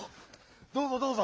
どうぞどうぞ！